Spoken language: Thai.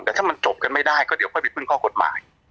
แต่ถ้ามันจบกันไม่ได้ก็เดี๋ยวค่อยไปพึ่งข้อกฎหมาย